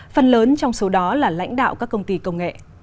phần lớn trong số đó là lãnh đạo các công ty công nghệ